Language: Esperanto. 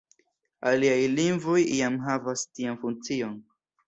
Aliaj lingvoj jam havas tian funkcion.